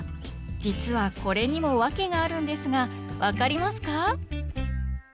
実はこれにも訳があるんですが分かりますか？